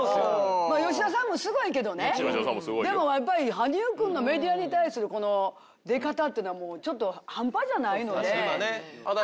吉田さんもすごいけどねでもやっぱり羽生君のメディアに対する出方っていうのはもう半端じゃないので。